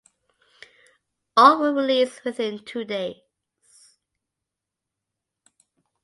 All were released within two days.